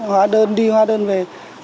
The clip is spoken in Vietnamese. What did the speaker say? hóa đơn đi hóa đơn về